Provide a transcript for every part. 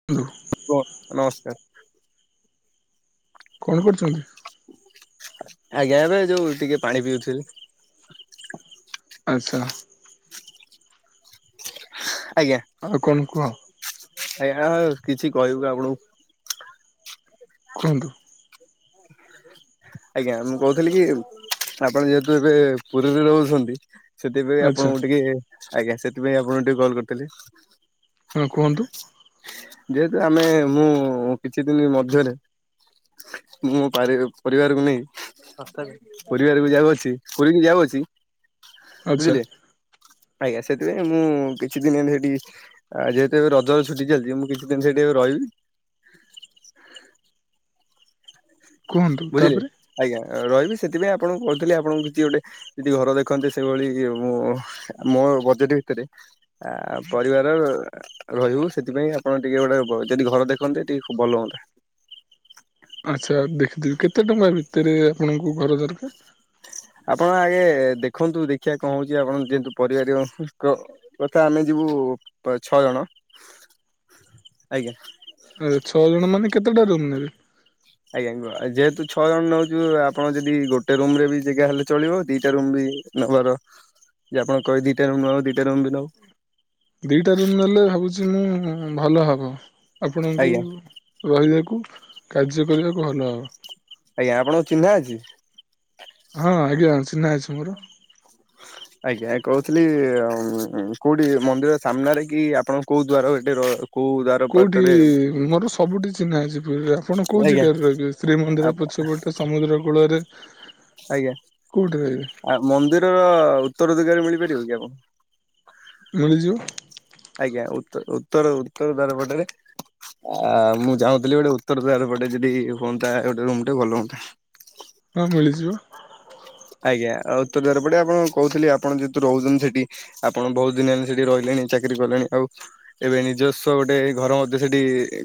[unintelligible] କୁହ ନମସ୍କାର। କଣ କରୁଚନ୍ତି? ଆଜ୍ଞା ଏବେ ଯୋଉ ଟିକେ ପାଣି ପିଉଥିଲି। ଆଚ୍ଛା। ଆଜ୍ଞା। ଆଉ କଣ କୁହ? ଆଜ୍ଞା କିଛି କହିବୁ ଆପଣଙ୍କୁ। କୁହନ୍ତୁ। ଆଜ୍ଞା ମୁଁ କହୁଥିଲି କି ଆପଣ ଯେହେତୁ ଏବେ ପୁରୀରେ ରହୁଛନ୍ତି ସେଥିପାଇଁ ଆଚ୍ଛା ଆପଣଙ୍କୁ ଟିକେ ଆଜ୍ଞା ସେଥିପାଇଁ ଆପଣଙ୍କୁ ଟିକେ କଲ୍ କରିଥିଲେ। ହଁ କୁହନ୍ତୁ। ଯେହେତୁ ଆମେ ମୁଁ କିଛି ଦିନ ମଧ୍ୟରେ ମୁଁ ପାରି ପରିବାରକୁ ନେଇ ପରିବାରକୁ ଯାଉ ଅଛି ପୁରିଁ ଯାଉ ଅଛି ଆଚ୍ଛା ବୁଝିଲେ। ଆଜ୍ଞା ସେଥିପାଇଁ ମୁଁ କିଛି ଦିନ ଏମିତି ହେଠି ଯେହେତୁ ରଜ ଛୁଟି ଚାଲିଛି ମୁଁ କିଛି ଦିନି ସେଠି ରହିବି। କୁହନ୍ତୁ ବୁଝିଲେ ତାପରେ ଆଜ୍ଞା ରହିବି ସେଥିପାଇଁ ଆପଣଙ୍କୁ କହୁଥିଲି ଆପଣଙ୍କୁ କିଛି ଗୋଟେ ଯଦି ଘର ଦେଖନ୍ତେ ସେଇଭଳି ମୁଁ ମୋ ବଜେଟ ଭିତରେ ଆ ପରିବାର ରହିବୁ ସେଥିପାଇଁ ଆପଣ ଟିକେ ଗୋଟେ ଯଦି ଘର ଦେଖନ୍ତେ ଟିକେ ଖବ ଭଲ ହୁଅନ୍ତା। ଆଚ୍ଛା ଦେଖିଦେବି କେତେ ଟଙ୍କା ଭିତରେ ଆପଣଙ୍କୁ ଘର ଦରକାର? ଆପଣ ଆଗେ ଦେଖନ୍ତୁ ଦେଖିବା କଣ ହଉଛି ଆପଣ ଯେହେତୁ ପରିବାର କଥା ଆମେ ଯିବୁ ଛଅ ଜଣ ଆଜ୍ଞା। ଆ ଛଅ ଜଣ ମାନେ କେତେଟା ରୁମ୍ ନେବେ? ଆଜ୍ଞା କୁହ ଯେହେତୁ ଛଅ ଜଣ ନେଉଛୁ ଆପଣ ଯଦି ଗୋଟେ ରୁମ ରେ ବି ଜାଗା ହେଲେ ଚଳିବ ଦିଟା ରୁମ ବି ନେବାର ଯେ ଆପଣ କିବେ ଦିଟା ରୁମ୍ ନେବ ଦିଟା ରୁମ୍ ବି ନବୁ। ଦିଟା ରୁମ୍ ନେଲେ ଭାବୁଛି ମୁଁ ଭଲ ହବ ଆପଣଙ୍କୁ। ଆଜ୍ଞା ରହିବାକୁ କାର୍ଯ୍ୟ କରିବାକୁ ହବ। ଆଜ୍ଞା ଆପଣଙ୍କ ଚିହ୍ନା ଅଛି। ହଁ ଆଜ୍ଞା ଚିହ୍ନା ଅଛି ମୋର। ହ ଆଜ୍ଞା କହୁଥିଲି କୋଉଠି ମନ୍ଦିର ସାମ୍ନାରେ କି ଆପଣ କୋଉ ଦ୍ଵାର ବାଟେ କୋଉ ଦ୍ଵାର କୋଉଠି ମୋର ସବୁଠି ଚିହ୍ନା ଅଛି ପୁରୀର। ଆପଣ କୋଉ ଆଜ୍ଞା ଯେଗା ରହିବେ ଶ୍ରୀମନ୍ଦିର ପଛପଟେ ସମୁଦ୍ର କୂଳରେ। ଆଜ୍ଞା କୋଉଠି ରହିବେ ଆ ମନ୍ଦିରର ଉତ୍ତର ଦିଗରେ ମିଳିପାରିବ କି ଆପଣ ମିଳି ଯିବ। ଆଜ୍ଞା ଉତ୍ତ ଉତ୍ତର ଉତ୍ତର ଦ୍ୱାରପଟରେ ଆ ମୁଁ ଚାଉଁଥିଲି ଗୋଟେ ଉତ୍ତର ଦ୍ୱାରା ପଟେ ଯଦି ହୁଅନ୍ତା ଗୋଟେ ରୁମ ଟେ ଭଲ ହୁଅନ୍ତା। ହଁ, ମିଳିଯିବ। ଆଜ୍ଞା ଆଉ ଉତ୍ତର ଦ୍ୱାର ପଟେ ଆପଣ କହୁଥିଲି ଆପଣ ଯେହେତୁ ରହୁଛନ୍ତି ସେଠି ଆପଣ ବହୁତ ଦିନ ହେଲାଣି ସେଠି ରହିଲେଣି ଚାକିରି କଲେଣି ଆଉ ଏବେ ନିଜସ୍ୱ ଗୋଟେ ଘର ମଧ୍ୟ ସେଠି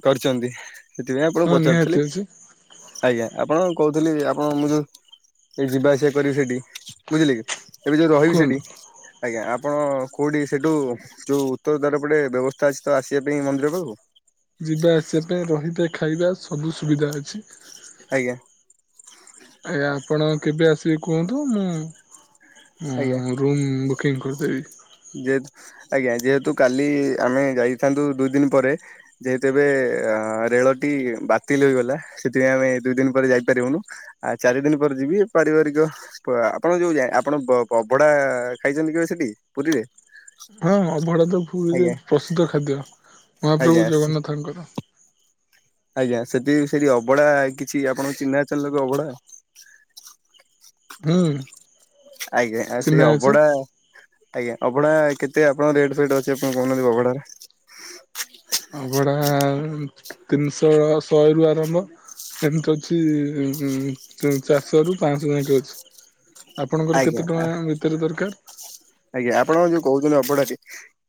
କରିଛନ୍ତି। ସେଥିପାଇଁ ଆପଣଙ୍କୁ ହଁ ନିହାତି ପଚାରୁଥିଲି। ଅଛି ଆଜ୍ଞା ଆପଣ କହୁଥିଲି ଆପଣ ମୁଁ ଯୋଉ ଏ ଯିବା ଆସିବା କରିବି ସେଠି ବୁଝିଲେ କି ଏବେ ଯୋଉ ରହିବି ସେଠି କୁହନ୍ତୁ ଆଜ୍ଞା ଆପଣ କୋଉଠି ସେଇଠୁ ଯୋଉ ଉତ୍ତରଦ୍ୱାର ପଟେ ବ୍ୟବସ୍ଥା ଅଛି ତ ଆସିବା ପାଇଁ ମନ୍ଦିର ପାଖକୁ। ଯିବା ଆସିବା ପାଇଁ ରହିବା, ଖାଇବା ସବୁ ସୁବିଧା ଅଛି। ଆଜ୍ଞା। ଆ ଆପଣ କେବେ ଆସିବେ କୁହନ୍ତୁ, ମୁଁ ଉଁ ରୁମ୍ ବୁକିଂ କରଦେବି। ଯେତ ଆଜ୍ଞା ଯେହେତୁ କାଲି ଆମେ ଯାଇଥାନ୍ତୁ ଦୁଇ ଦିନ ପରେ ଯେହେତୁ ଏବେ ଅ ରେଳଟି ବାତିଲ ହୋଇଗଲା। ସେଥିପାଇଁ ଆମେ ଦୁଇ ଦିନ ପରେ ଯାଇପାରିବୁନୁ। ଆ ଚାରି ଦିନ ପରେ ଯିବି ପାରିବାରିକ ଆପଣ ଯୋଉ ଯା ଆପଣ ଅଭଡ଼ା ଖାଇଛନ୍ତି କେବେ ସେଠି? ପୁରୀରେ। ହଁ ଅଭଡ଼ା ତ ପୁରୀରେ ଆଜ୍ଞା ପ୍ରସିଦ୍ଧ ଖାଦ୍ୟ। ଆଜ୍ଞା ମହାପ୍ରଭୁ ଜଗନ୍ନାଥଙ୍କର। ଆଜ୍ଞା ସେଠି ସେଠି ଅବଢା କିଛି ଆପଣଙ୍କ ଚିହ୍ନା ଅଚନ୍ତି ଲୋକ ଅବଢା ହୁଁ। ଆଜ୍ଞା ଆଉ ଚିହ୍ନା ସେଇ ଅଛି ଅବଢ଼ା ଆଜ୍ଞା ଅଭଢା କେତେ ଆପଣଙ୍କ ରେଟ ଫେଟ୍ ଅଛି ଆପଣ କହୁନାହାନ୍ତି ଅଭଢାରେ। ଅଭଡା ତିନିଶହ ଶହେ ରୁ ଆରମ୍ଭ। [unintelligible] ଅଛି ଉ ଚାରିଶହ ରୁ ପାଁଶହ ଯାଙ୍କେ ଅଛି। ଆପଣଙ୍କର ଆଜ୍ଞା କେତେ ଟଙ୍କା ଭିତରେ ଦରକାରେ। ଆଜ୍ଞା ଆପଣ ଯୋଉ କହୁଥିଲେ ଅବଢ଼ାଟି।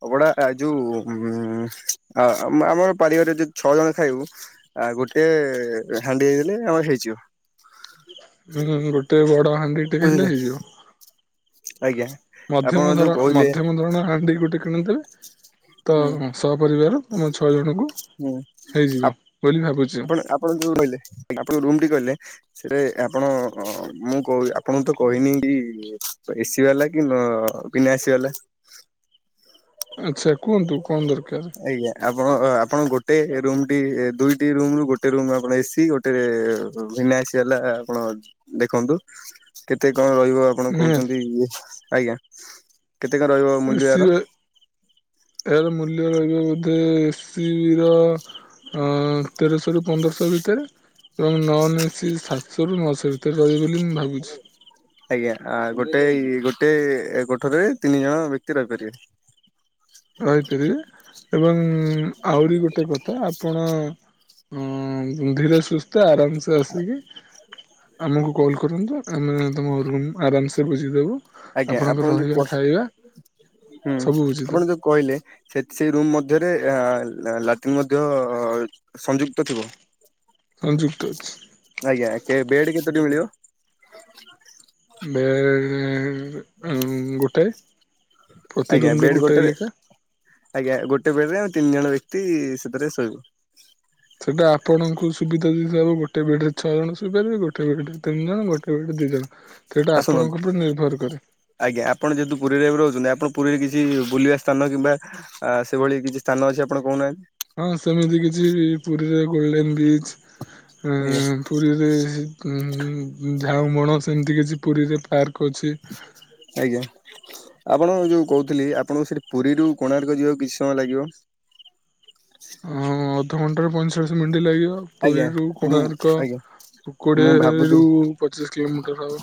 ଅବଢ଼ା ଯୋଉ ଉ ଆମର ପାରିବାରରେ ଯୋଉ ଛଅ ଜଣ ଖାଇବୁ। ଆଉ ଗୋଟେ ହାଣ୍ଡି ହେଇଗଲେ ଆମର ହେଇଯିବ। ହୁଁ ଗୋଟେ ବଡ ହାଣ୍ଡି ଟେ ହେଲେ ବୁଝିଲେ ହେଇଯିବ। ଆଜ୍ଞା ଆପଣ ଯୋଉ କହୁଥିଲେ। ପନ୍ଦର ଜଣ ହାଣ୍ଡି ଗୋଟେ କିଣିଦେବେ ତ ହୁଁ ସହପରିବାର ତମ ଛଅ ଜଣଙ୍କୁ ହୁଁ ହେଇଯିବ ଆପ ବୋଲି ଭାବୁଛୁ। ଆପଣ ଆପଣ ଯୋଉ କହିଲେ ଆପଣ ରୁମ୍ଟି କହିଲେ। ସେଟେ ଆପଣ ମୁଁ କୋହୁ ମୁଁ ଆପଣଙ୍କୁ ତ କହିନି କି ଏସି ବାଲା କି ନ ବିନା ଏସି ବାଲା। ଆଚ୍ଛା କୁହନ୍ତୁ କଣ ଦରକାର। ଆଜ୍ଞା ଆପଣ ଆପଣ ଗୋଟେ ରୁମ୍ ଟି ଦୁଇଟି ରୁମ୍ ରୁ ଗୋଟେ ରୁମ୍ ଆପଣଙ୍କର ଏସି ଗୋଟେ ରେ ବିନା ଏସିବାଲା ଆପଣ ଦେଖନ୍ତୁ କେତେ କଣ ରହିବ। ଆପଣ ନିହାତି କହୁଛନ୍ତି ଏ ଆଜ୍ଞା କେତେ କଣ ରହିବ। ମୂଲ୍ୟ ୟାର? ଏସି ଏ ଏହାର ମୂଲ୍ୟ ରହିବ ବୋଧେ ଏସି ର ଅ ତେରଶହ ରୁ ପନ୍ଦରଶହ ଭିତରେ। ତ ନନ୍ ଏସି ସାତଶହରୁୁ ନଅଶହ ଭିତରେ ରହିବ ବୋଲି ମୁଁ ଭାବୁଛି। ଆଜ୍ଞା ଆ ଗୋଟେ ଗୋଟେ ଗୋଠରେ ତିନି ଜଣ ବ୍ୟକ୍ତି ରହିପାରିବେ। ରହିପାରିବେ ଏବଂ ଆହୁରି ଗୋଟେ କଥା ଆପଣ ଧୀରେ ସୁସ୍ଥ ଆରାମସେ ଆସିକି ଆମକୁ କଲ କରନ୍ତୁ। ଆମେ ତୁମ ରୁମ୍ ଆରାମସେ ବୁଝିଦବୁ। ଆଜ୍ଞା ଆପଣ ଯୋଉ କ ହୁଁ ସବୁ ବୁଝିଦବୁ। ଆପଣ ଯୋଉ କହିଲେ। ସେ ସେଇ ରୁମ୍ ମଧ୍ୟରେ ଅହ ଲାଟିନ୍ ମଧ୍ୟ ସଂଯୁକ୍ତ ଥିବ। ସଂଯୁକ୍ତ ଅଛି। ଆଜ୍ଞା କେ ବେଡ କେତଟି ମିଳିବ। ବେଡ଼ ଗୋଟାଏ ପ୍ରତି ଆଜ୍ଞା ରୁମରେ ବେଡ୍ ଗୋଟାଏ ଗୋଟେରେ ଲେଖା। ଆଜ୍ଞା ଗୋଟେ ବେଡ ରେ ଆମ ତିନି ଜଣ ବ୍ୟକ୍ତି ସେଥିରେ ଶୋଇବୁ। ସେଟାପଣଙ୍କୁ ସୁବିଧା ଯିବ ଗୋଟେ ବେଡ ଛଅ ଜଣ ଶୋଇପାରିବେ ଗୋଟେ ବେ ତିନି ଜଣ ଗୋଟେ। ଗୋଟେ ବେଡରେ ଦିଇ ଜଣ ଆ ସେଇଟା ଶୁଣନ୍ତୁ ଆପଣଙ୍କ ଉପରେ ନିର୍ଭର କରେ। ଆଜ୍ଞା ଆପଣ ଯେହେତୁ ପୁରୀରେ ଏ ରହୁଛନ୍ତି ଆପଣ ପୁରୀରେ କିଛି ବୁଲିବା ସ୍ଥାନ କିମ୍ବା ଆ ସେଭଳି କିଛି ସ୍ଥାନ ଅଛି ଆପଣ କହୁନାହାନ୍ତି। ହଁ ସେମିତି କିଛି ପୁରୀରେ ଗୋଲଡେନ ବିଚ୍ ଅ ଆଜ୍ଞା ପୁରୀରେ ଉଁ ଝାଉଁ ବଣ ସେମିତି କିଛି ପୁରୀରେ ପାର୍କ ଅଛି। ଆଜ୍ଞା। ଆପଣଙ୍କୁ ଯୋଉ କହୁଥିଲି ଆପଣଙ୍କୁ ସେଠି ପୁରୀରୁ କୋଣାର୍କ ଯିବାକୁ କିଛି ସମୟ ଲାଗିବ। ହଁ ଅଧଘଣ୍ଟାରୁ ପଇଁଚାଳିଶ ମିନିଟ୍ ଲାଗିବ। ଆଜ୍ଞା ପୁରୀରୁ ମୁଁ କୋଣାର୍କ ଆଜ୍ଞା ମୁଁ କୋଡିଏ ରୁ ଭାବୁଥିଲି ପଚିଶ କିଲୋମିଟର ହବ।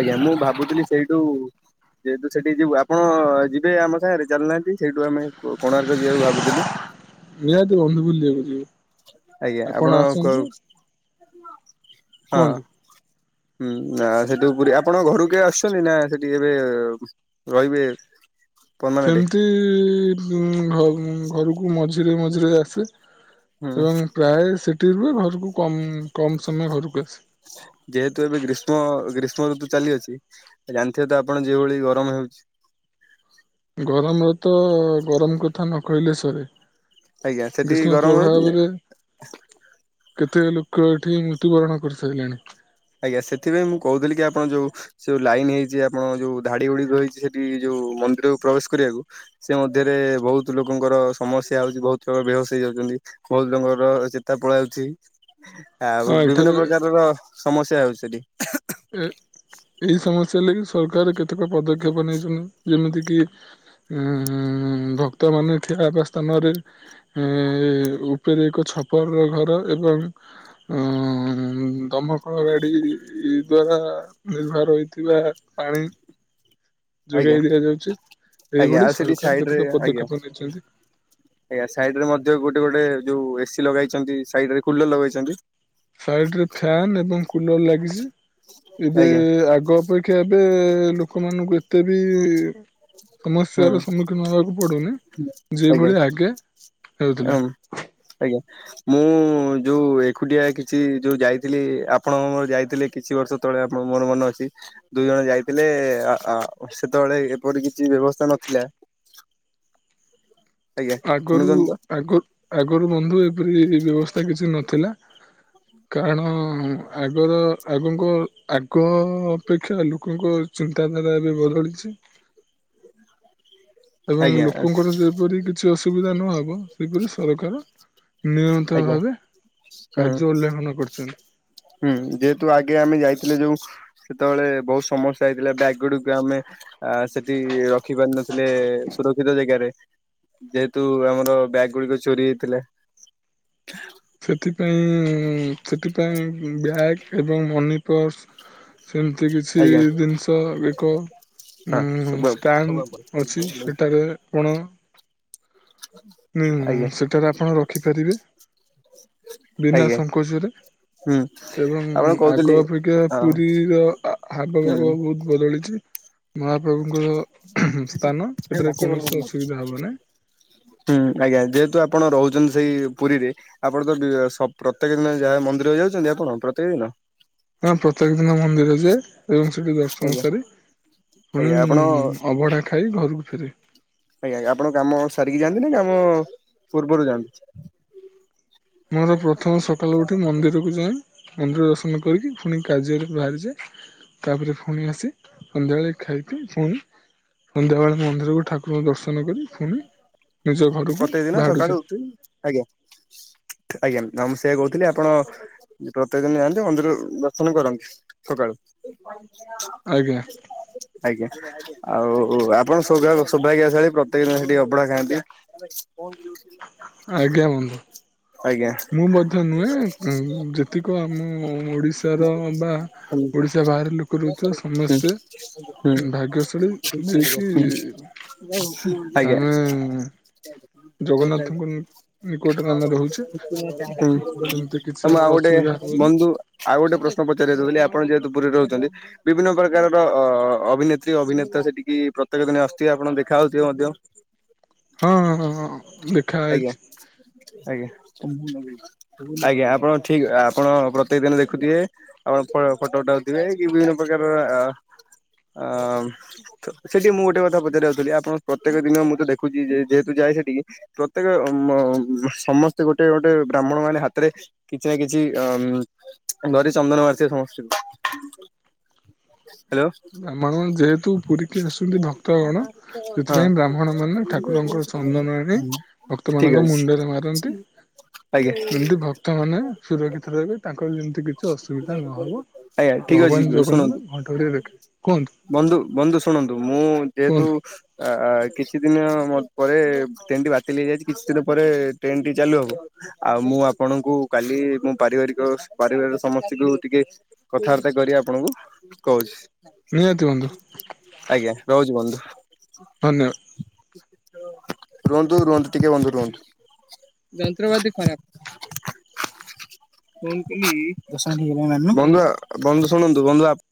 ଆଜ୍ଞା ମୁ ଭାବୁଥିଲି ସେଇଠୁ ଯେହେତୁ ସେଠିକି ଯିବୁ ଆପଣ ଯିବେ ଆମ ସାଙ୍ଗରେ ଚାଲୁନାହାନ୍ତି ସେଇଠୁ ଆମେ କୋଣାର୍କ ଯିବାକୁ ଭାବୁଥିଲୁ। ନିହାତି ବନ୍ଧୁ ବୁଲି ବାକୁ ଯିବି। ଆଜ୍ଞା ଆପଣ କ ହଁ। କୁହନ୍ତୁ ହୁଁ ନା ସେଠୁ ପୁରୀ ଆପଣଙ୍କ ଘର କେ ଆସୁଛନ୍ତି ନା ସେଠି ଏବେ ରହିବେ। ପରମାନେଣ୍ଟ ସେମିତି ଘରକୁ ମଝିରେ ମଝିରେ ଆସେ। ହୁଁ। ଏବଂ ପ୍ରାୟ ସେଠିରୁୁହେ ଘରକୁ କମ୍ କମ୍ ସମୟ ଘରକୁ ଆସ। ଯେହେତୁ ଏବେ ଗ୍ରୀଷ୍ମ ଗ୍ରୀଷ୍ମ ଋତୁ ଚାଲିଅଛି। ଜାଣିଥିବେ ତ ଆପଣ ଯେଉଭଳି ଗରମ ହେଉଛି। ଗରମରେ ତ ଗରମ କଥା ନ କହିଲେ ସରେ। ଆଜ୍ଞା ସେଠି ଗ୍ରୀଷ୍ମ ଗରମ ପ୍ରଭହ ହଉଛି ନା ରେ କେତେ ଲୋକ ଏଠି ମୃତ୍ୟୁବରଣ କରିସାରିଲାଣି। ଆଜ୍ଞା ସେଥିପାଇଁ ମୁଁ କହୁଥିଲି କି ଆପଣ ଯୋଉ ସେଉ ଲାଇନ ହେଇଛି ଆପଣ ଯୋଉ ଧାଡି ଗୁଡି ରହିଛି ସେଠି ଯୋଉ ମନ୍ଦିରକୁ ପ୍ରବେଶ କରିବାକୁ ସେ ମଧ୍ୟରେ ବହୁତ ଲୋକଙ୍କର ସମସ୍ୟା ହଉଛି ବହୁତ ଲ ବେହୋସ ହେଇଯାଉଛନ୍ତି। ବହୁତ ଜଙ୍ଗର ଚେତା ପଳାଉଛି। ଆଉ ବିଭିନ୍ନ ପ୍ରକାରର ସମସ୍ୟା ହଉ ସେଠି। ଏ ଏଇ ସମସ୍ୟା ଲାଗି ସରକାର କେତେକ ପଦକ୍ଷେପ ନେଇଛନ୍ତି ଯେମିତି କିି। ଉ ଭକ୍ତ ମାନ ଠିଆ ହେବା ସ୍ଥାନରେ ଏ ଉପରେ ଏକ ଛପର ର ଘର ଏବଂ ହଁ ଦମକଳ ଗାଡି ଦ୍ଵାରା ନିର୍ଭର ହୋଇଇଥିବା ପାଣି ଆଜ୍ଞା ଯୋଗାଇ ଦିଆଯାଉଛି ଆଜ୍ଞା ଏଇଭଳି ଆଉ ସେଠି ସରକାର ସାଇଡ ରେ କେତେକ ଆଜ୍ଞା। ପଦକ୍ଷେପ ନେଇଛନ୍ତି। ଆଜ୍ଞା ସାଇଡ ରେ ମଧ୍ୟ ଗୋଟେ ଗୋଟେ ଯୋଉ ଏସି ଲଗେଇଛନ୍ତି ସାଇଡ ରେ କୁଲର ଲଗେଇଛନ୍ତି। ସାଇଡ ରେ ଫ୍ୟାନ୍ ଏବଂ କୁଲର ଲାଗିଛି ଏବେ ଆଜ୍ଞା। ଆଗ ଅପେକ୍ଷା। ଶଖ ଏବେ ଲୋକମାନଙ୍କୁ ଏତେ ବି ହୁଁ ସମସ୍ୟାର ସମ୍ମୁଖୀନ ହେବାକୁ ପଡ଼ୁନି ଯେଭଳି ଆଗେ ହେଉଥିଲା ହଁ ଆଜ୍ଞା। ମୁଁ ଯୋଉ ଏକୁଟିଆ କିଛି ଯୋଉ ଯାଇଥିଲି ଆପଣ ମର ଯାଇଥିଲେ କିଛି ବର୍ଷ ଯେତେବେଳେ ଆ ମୋର ମନେ ଅଛି। ଦୁଇ ଜଣ ଯାଇଥିଲେ ସେତେବେଳେ ଏପରି କିଛି ବ୍ୟବସ୍ଥା ନଥିଲା। ଆଜ୍ଞା ଆଗରୁ ଶୁଣୁଛନ୍ତି ତ ଆଗ ଆଗରୁ ବନ୍ଧୁ ଏପରି ବ୍ୟବସ୍ଥା କିଛି ନଥିଲା। କାରଣ ଆଗର ଆଗଙ୍କ ଆଗ ଅପେକ୍ଷା ଲୋକଙ୍କ ଚିତାଧାରା ଏବେ ବଦଳିଛି। ଏବଂ ଆଜ୍ଞା ଲୋକଙ୍କର ଯେପରି କିଛି ଅସୁବିଧା ନହବ ସେପରି ସରକାର ନିୟନ୍ତ ଆଜ୍ଞା ଭାବେ ହୁଁ କାର୍ଯ୍ୟ ଉଲ୍ଲେଘନ କରିଛନ୍ତି। ହୁଁ ଯେହେତୁ ଆଗେ ଆମେ ଯାଇଥିଲେ ଯୋଉ ସେତେବେଳେ ବହୁତ ସମସ୍ୟା ହେଇଥିଲା ବ୍ୟାଗ ଗୁଡକୁ ଆମେ ଅ ସେଠି ରଖି ପାରିନୁ। ଥିଲେ ସୁରକ୍ଷିତ ଜାଗାରେ ଯେହେତୁ ଆମର ବ୍ୟାଗ ଗୁଡିକ ଚୋରି ହେଇଥିଲା। ସେଥିପାଇଁ ସେଥିପାଇଁ ବ୍ୟାଗ ଏବଂ ମନି ପର୍ସ ସେମିତି କିଛି ଆଜ୍ଞା ଜିନିଷ ଏକ ଉଁ ହଁ ଷଣ୍ଡେ ଅଛି ସେଠାରେ କଣ ହୁଁ ଆଜ୍ଞା ସେଠାରେ ଆପଣ ରଖିପାରିବେ। ବିନା ଆଜ୍ଞା ସଂଙ୍କୋଚରେ। ହୁଁ ଏବଂ ଆପଣ କହୁଥିଲି ଆଗ ଅପେକ୍ଷା ହଁ ପୁରୀର ଆଗପାଗ ହୁଁ ବହୁତ ବଦଳିଛି ମହାପ୍ରଭୁଙ୍କ ସ୍ଥାନ ଏଠାରେ କୌଣସି ଅସୁବିଧା ହବ ନାହିଁ। ହୁଁ ଆଜ୍ଞା ଯେହେତୁ ଆପଣ ରହୁଛନ୍ତି ସେଇ ପୁରୀରେ। ଆପଣ ତ ପ୍ରତ୍ୟେକ ଦିନ ଯାହା ମନ୍ଦିର ଯାଉଛନ୍ତି ଆପଣ ପ୍ରତ୍ୟେକ ଦିନ। ହଁ ପ୍ରତ୍ୟେକ ଦିନ ମନ୍ଦିର ଯେ ଏବଂ ସେଠି ଦର୍ଶନ ସାରି ପୁଣି ଆଜ୍ଞା ଆପଣ ଅବଢ଼ା ଖାଇ ଘରକୁ ଫେରେ ଆଜ୍ଞା ଆପଣ କାମ ସାରିକି ଯାଆନ୍ତି ନା କାମ ପୂର୍ବରୁ ଯାଆନ୍ତି। ମୋର ପ୍ରଥମ ସକାଳୁ ଉଠି ମନ୍ଦିରକୁ ଯାଏଁ। ମନ୍ଦିର ଦର୍ଶନ କରିକି ପୁଣି କାର୍ଯ୍ୟ ବାହାରିଯାଏ। ତାପରେ ପୁଣି ଆସି ସନ୍ଧ୍ୟାବେଳେ ଖାଇକି ପୁଣି ସନ୍ଧ୍ୟାବେଳେ ମନ୍ଦିରକୁ ଠାକୁରଙ୍କଙ୍କୁ ଦର୍ଶନ କରି ପୁଣି ନିଜ ଘରକୁ ପ୍ରତ୍ୟେକ ଦିନ ସକାଳୁ ବାହଡୁଛି ଉଠି ଆଜ୍ଞା ଆଜ୍ଞା ଆ ମୁଁ ସେ କହୁଥିଲି ଆପଣ ପ୍ରତ୍ୟେକ ଦିନ ଯଆନ୍ତି ମନ୍ଦିର ଦର୍ଶନ କରନ୍ତି ସକାଳୁ। ଆଜ୍ଞା। ଆଜ୍ଞା ଆଉ ଆପଣ ଶୋଭାଗ ଆସ ପ୍ରତ୍ୟେକ ଦିନ ସେଠିକି ଅଭଢା ଖାଆନ୍ତି। ଆ କଣ ଯଉ ଆଜ୍ଞା ବନ୍ଧୁ। ଆଜ୍ଞା ମୁଁ ମଧ୍ୟ ନୁହେଁ ଯେତିକ ଆମ ଓଡିଶାର ବା ଓଡିଶା ବାହାରାରେ ଲୋକ ରହୁଥିବା ହୁଁ ସମସ୍ତେ ହୁଁ ଭାଗ୍ୟଶାଳୀ ଯାଇକି ଆଜ୍ଞା। [inaudible] ହୁଁ। ତ ଜଗନ୍ନାଥଙ୍କ ନିକଟରେ ଆମେ ରହୁଛେ ସେମିତି କିଛି ମୁଁ ଆମର ଆଉ ଗୋଟେ ଅସୁବିଧା ହବନି। ବନ୍ଧୁ ଆଉ ଗୋଟେ ପ୍ରଶ୍ନ ପଚାରିଉଥିଲି ଆପଣ ଯେହେତୁ ପୁରୀରେ ରହୁଛନ୍ତି। ବିଭିନ୍ନ ପ୍ରକାରର ଅ ଅଭିନେତ୍ରୀ ଅଭିନେତ ସେଠିକି ପ୍ରତ୍ୟେକ ଦିନେ ଆସଥିବ ଆପଣ ଦେଖାହଉଥିବେ ମଧ୍ୟ। ହଁଁ ହଁ ହଁ ଆଜ୍ଞା ଦେଖାଇଛି। ଆଜ୍ଞା ଆଜ୍ଞା ଆପଣ ଠିକ ଆପଣ ପ୍ରତ୍ୟେକ ଦିନ ଦେଖୁଥିବେ। ଆପଣ ଫଟୋ ଉଟାାଉଥିବେ କି ବିଭିନ୍ନ ପ୍ରକାରର ଅ ଅ ତ ସେଠି ମୁଁ ଗୋଟେ କଥା ପଚାର ଯାଉଥିଲି ଆପଣ ପ୍ରତ୍ୟେକ ଦିନ ମୁଁ ତ ଦେଖୁଛି ଯେହେତୁ ଯାଏ ସେଠିକି ପ୍ରତ୍ୟେକ ମ ମ ସମସ୍ତେ ଗୋଟେ ଗୋଟେ ବ୍ରାହ୍ମଣ ମାନେ ହାତରେ କିଛି ନା କିଛି ଅ ଧରି ଚନ୍ଦନ ମାରିିବ ସମସ୍ତଙ୍କୁ। ହ୍ୟାଲୋ ବ୍ରାହ୍ମଣ ଯେହେତୁ ପୁରୀ କି ଆସୁଛନ୍ତି ଭକ୍ତ କଣ ହଁ ସେଥିପାଇଁ ବ୍ରାହ୍ମଣ ମାନେ ଠାକୁରଙ୍କର ଚନ୍ଦନ ଆଣି ଭକ୍ତ ଠିକ ମାନଙ୍କ ଅଛି ମୁଣ୍ଡରେ ମାରନ୍ତି। ଆଜ୍ଞା। ଏମିତି ଭକ୍ତ ମାନେ ସୁରକ୍ଷିତ ରହିବେ ତାଙ୍କର ଯେମିତି ଏତ କିଛି ଅସୁବିଧା ନହେବ ଆଜ୍ଞା ଠିକ ଅଛି ଭଗବାନ ଶୁଣନ୍ତୁ ଜଗନ୍ନାଥ ଘଣ୍ଟଘଡେଇ ରଖିବେ। କୁହନ୍ତୁ ବନ୍ଧୁ ବନ୍ଧୁ ଶୁଣନ୍ତୁ ମୁଁ ଯେହେତୁ କୁହନ୍ତୁ ଆ କିଛି ଦିନ ମୋ ପରେ ଟ୍ରେନ ଟି ବାତିଲ ହେଇଯାଇଛି କିଛି ଦିନ ପରେ ଟ୍ରେନ ଟି ଚାଲୁ ହବ। ଆଉ ମୁଁ ଆପଣଙ୍କୁ କାଲି ମୋ ପାରିବାରିକ ପରାରିବାରରେ ସମସ୍ତଙ୍କୁ ଟିକେ କଥାବାର୍ତ୍ତା କରି ଆପଣଙ୍କୁ ନିହାତି ବନ୍ଧୁ କହୁଛି। ଆଜ୍ଞା ରହୁଚି ବନ୍ଧୁ। ଧନ୍ୟ ରୁହନ୍ତୁ ରୁହନ୍ତୁ ଟିକେ ବନ୍ଧୁ ରୁହନ୍ତୁ। ଯନ୍ତ୍ରପାତି ଖରାପ। ବନ୍ଧୁ ବନ୍ଧୁ ଶୁଣନ୍ତୁ ବନ୍ଧୁ ଆପଣ